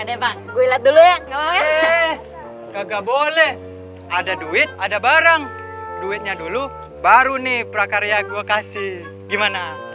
enggak boleh ada duit ada barang duitnya dulu baru nih prakarya gua kasih gimana